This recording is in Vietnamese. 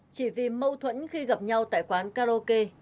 chỉ vì mâu thuẫn khi gặp nhau tại quán karaoke